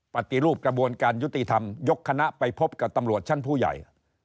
ปฏิรูปกระบวนการยุติธรรมยกคณะไปพบกับตำรวจชั้นผู้ใหญ่